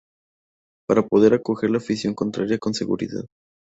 Para poder acoger la afición contraria con seguridad.